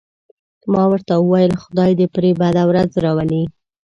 ما ورته وویل: خدای دې پرې بده ورځ راولي.